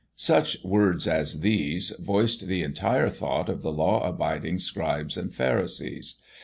Such words as these voiced the entire thought of the law abiding scribes and pharisees.